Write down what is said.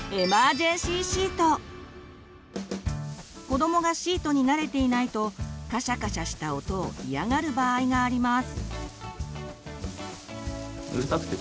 子どもがシートに慣れていないとカシャカシャした音を嫌がる場合があります。